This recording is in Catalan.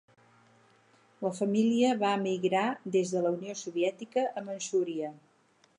La família va emigrar des de la Unió Soviètica a Manxúria.